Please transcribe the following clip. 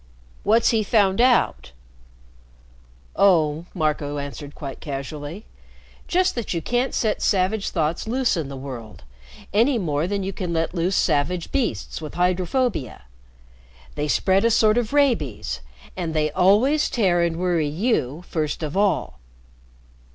"What's he found out?" "Oh!" Marco answered, quite casually, "just that you can't set savage thoughts loose in the world, any more than you can let loose savage beasts with hydrophobia. They spread a sort of rabies, and they always tear and worry you first of all."